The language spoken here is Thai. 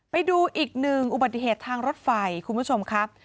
ไปดูอีกหนึ่งอุบัติเหตุทางรถไฟคุณผู้ชมครับ